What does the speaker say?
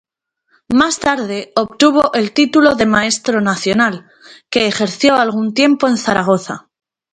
Más tarde obtuvo el título de maestro nacional, que ejerció algún tiempo en Zaragoza.